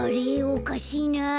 おかしいなあ。